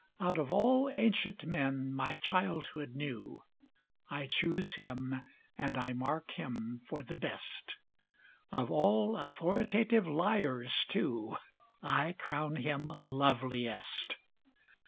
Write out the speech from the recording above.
Out of all ancient men my childhood knew I choose him and I mark him for the best. Of all authoritative liars, too, I crown him loveliest.